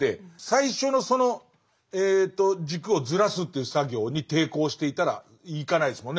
最初のその軸をずらすという作業に抵抗していたらいかないですもんね。